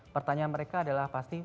pertanyaan mereka adalah pasti